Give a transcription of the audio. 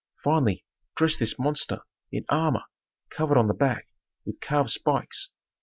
Finally, dress this monster in armor covered on the back with carved spikes.